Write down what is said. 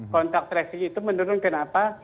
kontak tracing itu menurun kenapa